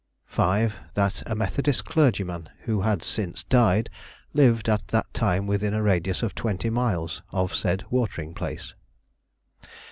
V. That a Methodist clergyman, who has since died, lived at that time within a radius of twenty miles of said watering place.